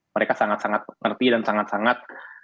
mereka sangat sangat mengerti dan sangat sangat